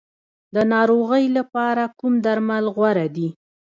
د ناروغۍ لپاره کوم درمل غوره دي؟